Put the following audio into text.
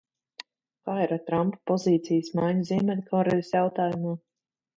Kā ir ar Trampa pozīcijas maiņu Ziemeļkorejas jautājumā?